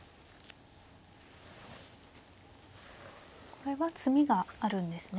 これは詰みがあるんですね。